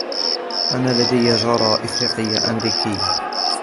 أنا لدي جارة أفريقية-أمريكية.